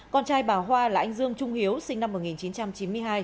con trai bà hoa là anh dương trung hiếu sinh năm một nghìn chín trăm chín mươi hai